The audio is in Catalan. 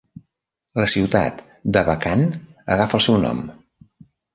La ciutat d'Abakan, agafa el seu nom.